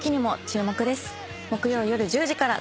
木曜夜１０時から。